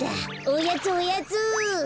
おやつおやつ。